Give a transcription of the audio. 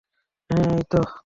হ্যাঁ, এইতো!